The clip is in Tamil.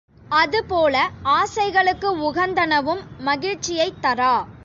அதுபோல, ஆசைகளுக்கு உகந்தனவும் மகிழ்ச்சியைத் தரா.